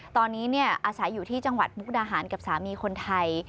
ตอนนี้อาศัยอยู่ที่จังหวัดมุกดาหารกับสามีคนไทย